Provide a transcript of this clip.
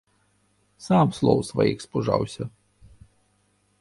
Сам слоў сваіх спужаўся.